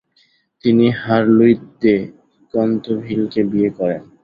তিনি Harlouin de কন্তেভিলকে বিয়ে করেন।